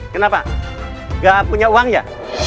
kenapa nggak punya uang ya